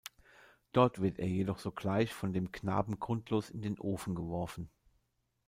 Dort wird er jedoch sogleich von dem Knaben grundlos in den Ofen geworfen.